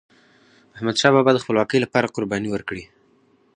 احمدشاه بابا د خپلواکی لپاره قرباني ورکړې.